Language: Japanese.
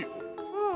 うん。